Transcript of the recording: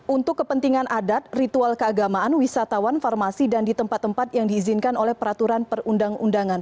untuk kepentingan adat ritual keagamaan wisatawan farmasi dan di tempat tempat yang diizinkan oleh peraturan perundang undangan